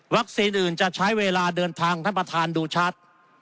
อื่นจะใช้เวลาเดินทางท่านประธานดูชัด